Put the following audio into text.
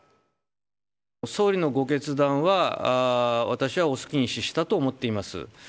総理のご決断は、私は遅きに失したと思っております。